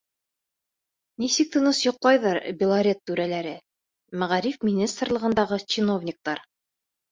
Нисек тыныс йоҡлайҙыр Белорет түрәләре, Мәғариф министрлығындағы чиновниктар?